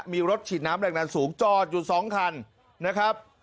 มีรถฉีดน้ำแรงดันสูงจอดอยู่๒คันนะครับ